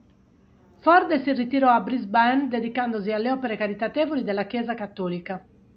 Forde si ritirò a Brisbane dedicandosi alle opere caritatevoli della Chiesa Cattolica.